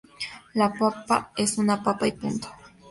La papa es una papa y punto.